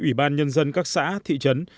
ủy ban nhân dân các xã thị trấn